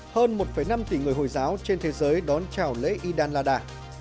hơn một năm tỷ người hồi giáo trên thế giới đón chào lễ idan lada